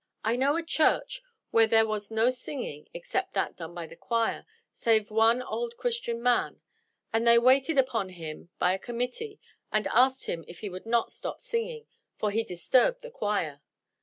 I know a church where there was no singing except that done by the choir, save one old Christian man; and they waited upon him by a committee, and asked him if he would not stop singing, for he disturbed the choir!